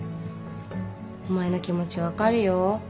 お前の気持ち分かるよ。